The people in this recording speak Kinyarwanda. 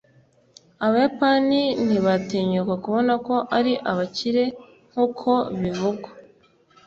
abayapani ntibatinyuka kubona ko ari abakire nkuko bivugwa